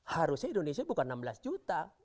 harusnya indonesia bukan enam belas juta